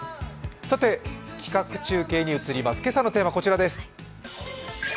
企画中継に移ります、今朝のテーマはこちらです。